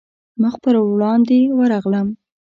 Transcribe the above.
مخ پر وړاندې ورغلم.